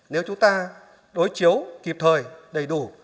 nếu chúng ta đối chiếu kịp thời đầy đủ